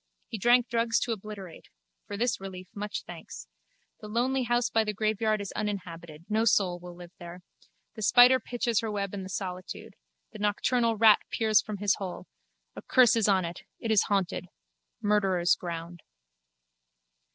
He drank drugs to obliterate. For this relief much thanks. The lonely house by the graveyard is uninhabited. No soul will live there. The spider pitches her web in the solitude. The nocturnal rat peers from his hole. A curse is on it. It is haunted. Murderer's ground.